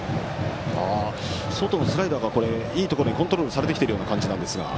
外のスライダーがいいところにコントロールされてきている感じですね。